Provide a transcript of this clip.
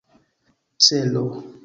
celo